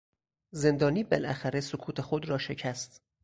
زندانی بالاخره سکوت خود را شکست.